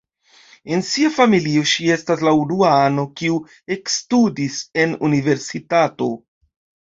En sia familio ŝi estas la unua ano, kiu ekstudis en universitato.